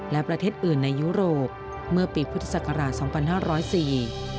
และประเทศอื่นในยุโรปเมื่อปีพุทธศักราช๒๕๐๔